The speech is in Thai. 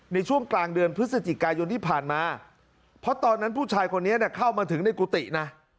ในช่วงกลางเดือนพฤศจิกายนที่ผ่านมาเพราะตอนนั้นผู้ชายคนนี้เข้ามาถึงในกุฏินะ